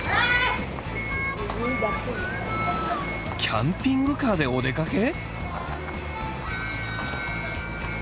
キャピングカーでお出かけ？